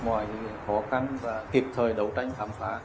mọi khó khăn và kịp thời đấu tranh khám phá